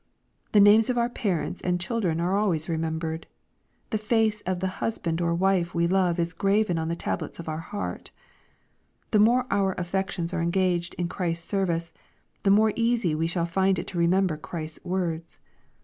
The names of our parents and children are always remembered. The face of the husband or wife we love is graven on the tablets of our hearts. The more our affections are engaged in Christ's service, the more easy shall we find it to remember Christ's words.